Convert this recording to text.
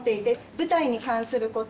舞台に関すること